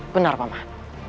benar pak man